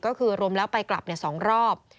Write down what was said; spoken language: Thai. ก็คือรวมแล้วไปกลับ๒รอบ